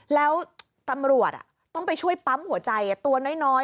แล้วตำรวจต้องไปช่วยปั๊มหัวใจตัวน้อย